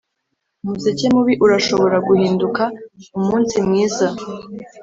umuseke mubi urashobora guhinduka umunsi mwiza.